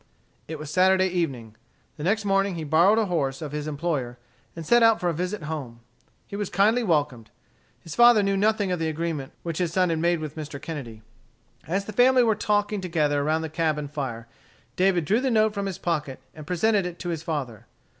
It was Saturday evening. The next morning he borrowed a horse of his employer and set out for a visit home. He was kindly welcomed. His father knew nothing of the agreement which his son had made with Mr. Kennedy. As the family were talking together around the cabin fire, David drew the note from his pocket and presented it to his father.